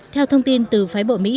theo thông tin từ phái bộ mỹ